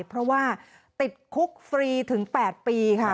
เพราะว่าติดคุกฟรีถึง๘ปีค่ะ